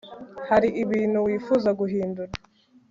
Hariho ibintu wifuza guhindura